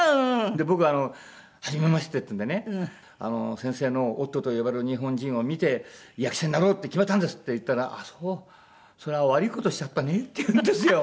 僕は「はじめまして」っていうんでね「先生の『オットーと呼ばれる日本人』を見て役者になろうって決めたんです」って言ったら「あっそう。それは悪い事しちゃったね」って言うんですよ。